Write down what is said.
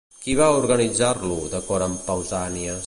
Qui va organitzar-lo, d'acord amb Pausànies?